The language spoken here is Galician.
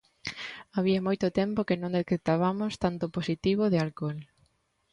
Había moito tempo que non detectabamos tanto positivo de alcol.